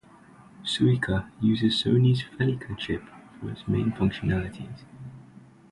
Suica uses Sony's FeliCa chip for its main functionalities.